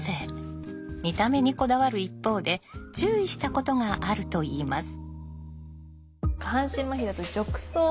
見た目にこだわる一方で注意したことがあるといいます。